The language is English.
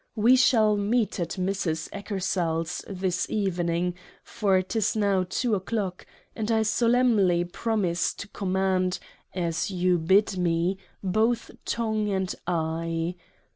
We shall meet at Mrs. Eckersall's this Evening — for 'tis now Two o'clock, and 1 solemnly promise to command — as you bid me — both Tongue and Eye.